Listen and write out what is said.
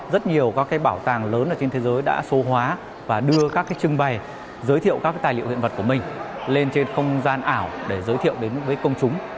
rất nhiều các bảo tàng lớn trên thế giới đã số hóa và đưa các trưng bày giới thiệu các tài liệu hiện vật của mình lên trên không gian ảo để giới thiệu đến với công chúng